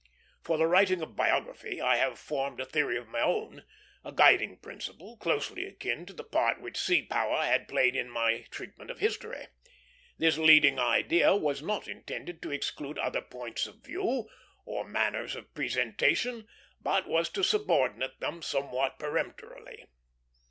For the writing of biography I had formed a theory of my own, a guiding principle, closely akin to the part which sea power had played in my treatment of history. This leading idea was not intended to exclude other points of view or manners of presentation, but was to subordinate them somewhat peremptorily.